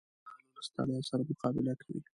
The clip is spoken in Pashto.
زردالو له ستړیا سره مقابله کوي.